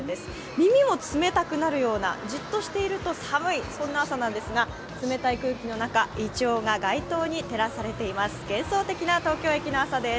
耳も冷たくなるような、じっとしていると寒い、そんな朝なんですが、冷たい空気の中いちょうが街灯に照らされています。